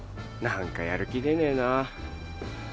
何かやる気出ねえなぁ。